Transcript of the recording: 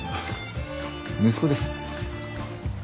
息子です。